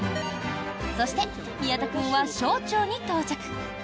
そして宮田君は小腸に到着。